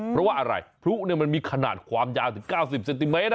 เพราะว่าอะไรพลุมันมีขนาดความยาวถึง๙๐เซนติเมตร